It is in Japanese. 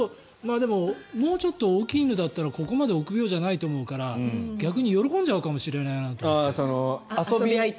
でも、もうちょっと大きい犬だったらここまで臆病じゃないと思うから逆に喜んじゃうなと思って。